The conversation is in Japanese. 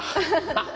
ハハハ。